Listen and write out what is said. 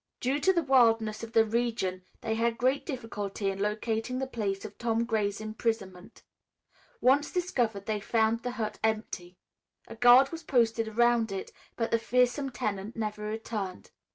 Due to the wildness of the region they had great difficulty in locating the place of Tom Gray's imprisonment. Once discovered, they found the hut empty. A guard was posted around it, but the fearsome tenant never returned.